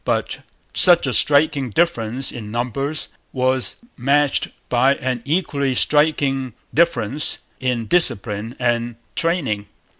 But such a striking difference in numbers was matched by an equally striking difference in discipline and training.